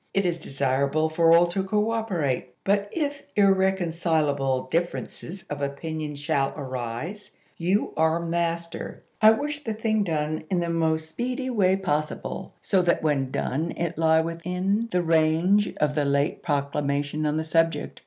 It is desirable for all to cooperate; but if irrecon cilable differences of opinion shall arise, you are master. I wish the thing done in the most speedy OLUSTEE AND THE BED RIVER 283 way possible, so that when done it lie within the chap. xi. range of the late proclamation on the subject.